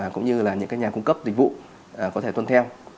cũng như là những nhà cung cấp dịch vụ có thể tuân theo